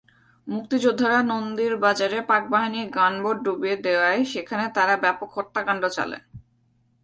মুক্তিযোদ্ধারা নন্দীর বাজারে পাকবাহিনীর গানবোট ডুবিয়ে দেওয়ায় সেখানে তারা ব্যাপক হত্যাকাণ্ড চালায়।